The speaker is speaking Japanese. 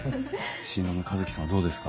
新郎の一樹さんはどうですか？